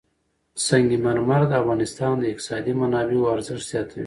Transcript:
سنگ مرمر د افغانستان د اقتصادي منابعو ارزښت زیاتوي.